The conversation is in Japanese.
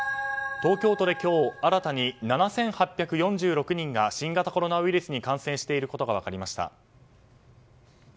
東京都で今日新たに７８４６人が新型コロナウイルスに感染していることが分かりました。